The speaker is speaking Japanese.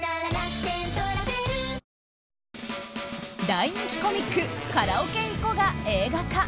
大人気コミック「カラオケ行こ！」が映画化。